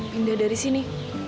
pindah dari sini